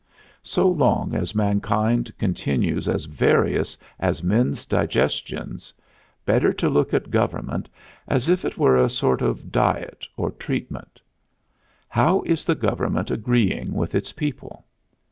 So long as mankind continues as various as men's digestions, better to look at government as if it were a sort of diet or treatment. How is the government agreeing with its people?